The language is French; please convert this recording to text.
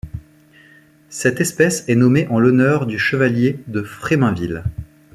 Cette espèce est nommée en l'honneur du Chevalier de Fréminville.